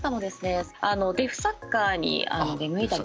デフサッカーに出向いて地域の。